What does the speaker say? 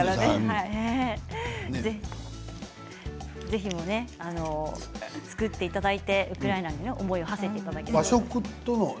ぜひ作っていただいて、ウクライナに思いをはせていただいて。